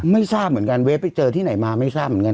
ไม่ทราบเหมือนกันเวฟไปเจอที่ไหนมาไม่ทราบเหมือนกัน